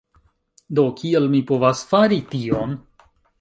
Do kiel mi povas fari tion?